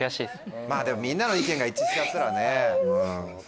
でもみんなの意見が一致しちゃったらね。